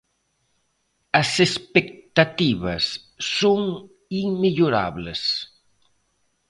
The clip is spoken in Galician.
As expectativas son inmellorables.